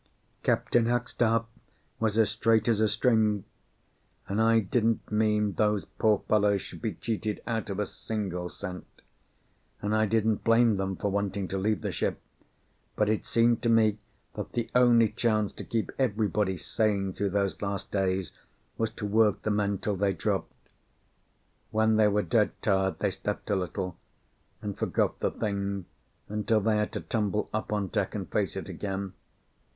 Captain Hackstaff was as straight as a string, and I didn't mean those poor fellows should be cheated out of a single cent; and I didn't blame them for wanting to leave the ship, but it seemed to me that the only chance to keep everybody sane through those last days was to work the men till they dropped. When they were dead tired they slept a little, and forgot the thing until they had to tumble up on deck and face it again.